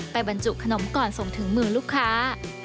บรรจุขนมก่อนส่งถึงมือลูกค้า